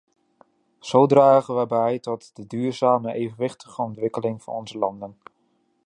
Zo dragen we bij tot de duurzame en evenwichtige ontwikkeling van onze landen.